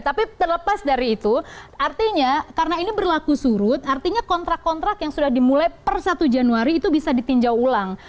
tapi terlepas dari itu artinya karena ini berlaku surut artinya kontrak kontrak yang sudah dimulai per satu januari itu bisa ditinjau ulang